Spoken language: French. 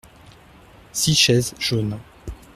Six chaises jaunes.